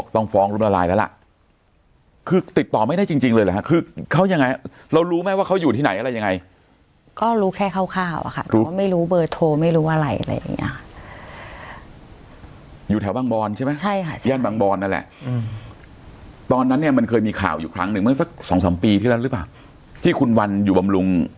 ตอนนั้นเนี่ยมันเคยมีข่าวอยู่ครั้งหนึ่งเมื่อซะสองสามปีที่แล้วนิปถาญที่คุณวัลอยู่บำรุง